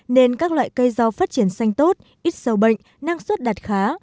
nên các loại cây rau phát triển xanh tốt ít sâu bệnh năng suất đạt khá